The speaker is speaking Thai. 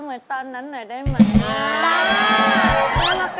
เหมือนตอนนั้นหน่อยได้ไหม